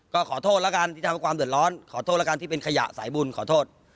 ก็ขอโทษแล้วกันที่ทำให้ความเดือดร้อนขอโทษแล้วกันที่เป็นขยะสายบุญขอโทษ